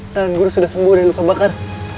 tangan guru sudah sembuh dan luka bakar